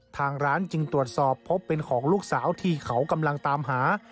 ทางร้านจึงตรวจสอบพบเป็นของลูกสาวที่เขากำลังตามหา